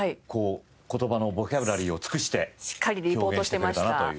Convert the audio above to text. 言葉のボキャブラリーを尽くして表現してくれたなという。